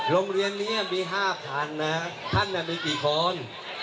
โรงเรียนเนี้ยมีห้าพันนะท่านอ่ะมีกี่คน